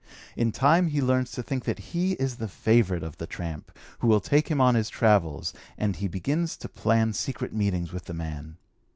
In time he learns to think that he is the favorite of the tramp, who will take him on his travels, and he begins to plan secret meetings with the man.